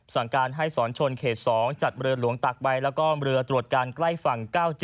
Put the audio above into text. สั่งการให้สอนชนเขต๒จัดเรือหลวงตากใบแล้วก็เรือตรวจการใกล้ฝั่ง๙๗